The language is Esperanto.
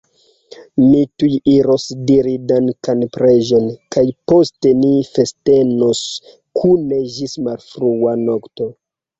Mi tuj iros diri dankan preĝon, kaj poste ni festenos kune ĝis malfrua nokto!